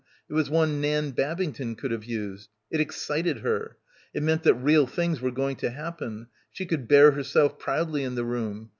It was one Nan Babington could have used. It excited her. It meant that real things were going to happen, she could bear herself proudly in the room.